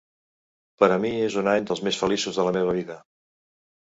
Per a mi és un any dels més feliços de la meva vida.